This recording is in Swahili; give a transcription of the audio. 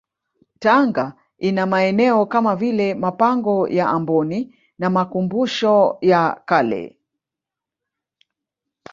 Tanga ina maeneo kama vile mapango ya Amboni na makumbusho ya kale